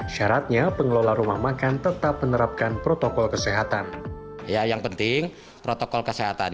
syaratnya pengelola rumah makan tetap menerapkan protokol kesehatan